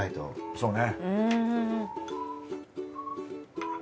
そうね。